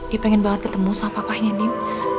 dia pengen banget ketemu sama papahnya din